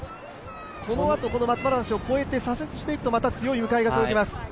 このあと松原橋を越えて左折していくとまた強い向かい風を受けます。